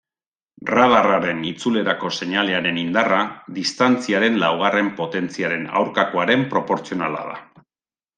Radarraren itzulerako seinalearen indarra distantziaren laugarren potentziaren aurkakoaren proportzionala da.